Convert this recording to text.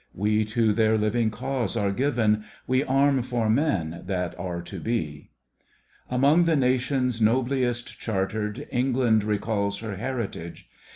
We to their living cause are given ; We arm for men that are to be. Among the nations nobliest chartered, England recalls her heritage.